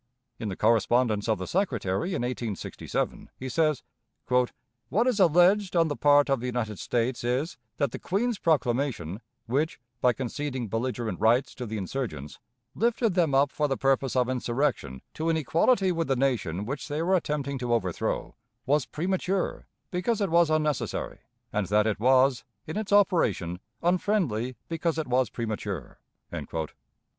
In the correspondence of the Secretary, in 1867, he says: "What is alleged on the part of the United States is, that the Queen's proclamation, which, by conceding belligerent rights to the insurgents, lifted them up for the purpose of insurrection to an equality with the nation which they were attempting to overthrow, was premature because it was unnecessary, and that it was, in its operation, unfriendly because it was premature."